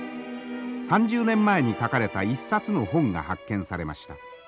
３０年前に書かれた１冊の本が発見されました。